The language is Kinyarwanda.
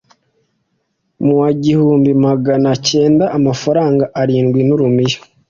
mu wa igihumbi Magana acyenda amafaranga arindwi n'urumiya